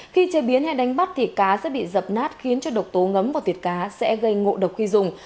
khi chế biến hay đánh bắt thì cá sẽ bị dập nát khiến cho độc tố ngấm và việt cá sẽ gây ngộ độc khi dùng